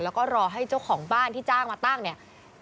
แล้วก็รอให้เจ้าของบ้านที่จ้างมาตั้งเนี่ย